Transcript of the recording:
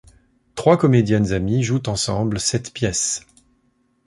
Trois comédiennes amies jouent ensemble cette pièce.